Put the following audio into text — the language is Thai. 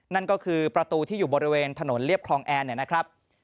นั่นก็คือประตูที่อยู่บริเวณถนนเรียบคลองแอนเนี่ยนะครับ